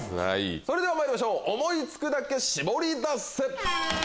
それではまいりましょう思いつくだけシボリダセ！